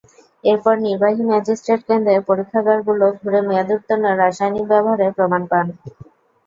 এরপর নির্বাহী ম্যাজিস্ট্রেট কেন্দ্রের পরীক্ষাগারগুলো ঘুরে মেয়াদোত্তীর্ণ রাসায়নিক ব্যবহারের প্রমাণ পান।